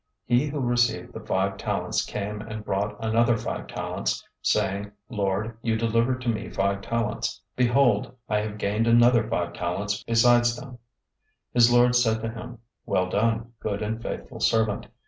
025:020 He who received the five talents came and brought another five talents, saying, 'Lord, you delivered to me five talents. Behold, I have gained another five talents besides them.' 025:021 "His lord said to him, 'Well done, good and faithful servant.